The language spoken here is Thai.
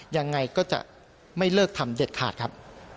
ยังไงก็จะไม่เลิกทำเด็ดขาดครับ